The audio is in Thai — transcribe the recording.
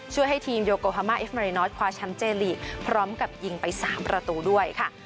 ให้ทีมโยโกฮามาเอฟเรนอทคว้าแชมป์เจลีกพร้อมกับยิงไป๓ประตูด้วยค่ะ